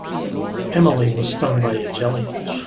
Emily was stung by a jellyfish.